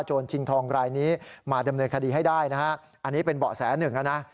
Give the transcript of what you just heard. ชิงทองรายนี้มาดำเนินคดีให้ได้นะฮะอันนี้เป็นเบาะแสหนึ่งนะ